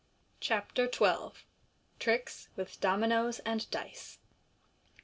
J65 CHAPTER XIL Tricks with Dominoes <^d Dice.